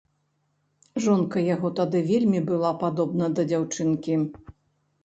Жонка яго тады вельмі была падобна да дзяўчынкі.